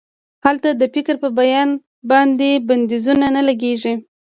هلته د فکر په بیان باندې بندیزونه نه لګیږي.